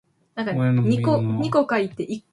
Oyo minwa.